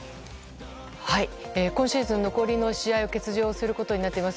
今シーズン残りの試合を欠場することになっています